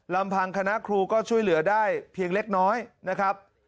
ลำพังคณะครูก็ช่วยเหลือได้เพียงเล็กน้อยนะครับ